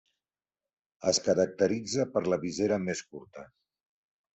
Es caracteritza per la visera més curta.